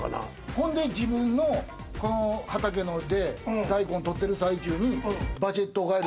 ほんで自分の畑で大根とってる最中にバジェットガエル。